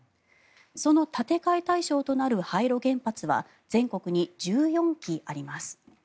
その建て替え対象となる廃炉原発は全国に１４基あります。